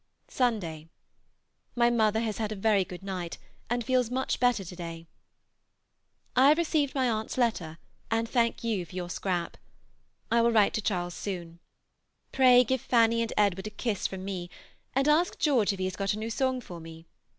Sunday. My mother has had a very good night, and feels much better to day. I have received my aunt's letter, and thank you for your scrap. I will write to Charles soon. Pray give Fanny and Edward a kiss from me, and ask George if he has got a new song for me.